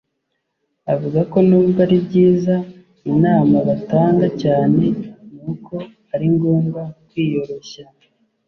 avuga ko n’ubwo ari byiza, inama batanga cyane ni uko ari ngombwa kwiyoroshya,